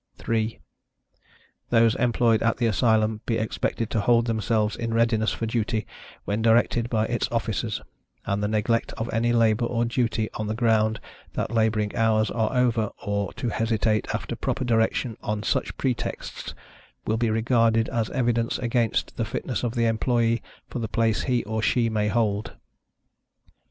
3. Those employed at the Asylum be expected to hold themselves in readiness for duty when directed by its officers; and the neglect of any labor, or duty, on the ground that laboring hours are over, or to hesitate, after proper direction, on such pretexts, will be regarded as evidence against the fitness of the employee for the place he or she may hold.